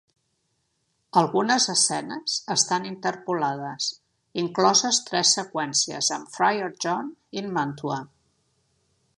Algunes escenes estan interpolades, incloses tres seqüències amb Friar John in Mantua.